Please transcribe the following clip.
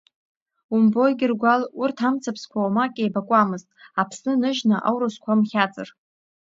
Умбои, Гьыргәал, урҭ амцабзқәа уамак еибакуамызт, Аԥсны ныжьны аурысқәа мхьаҵыр.